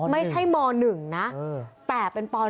ไม่ใช่ม๑นะแต่เป็นป๑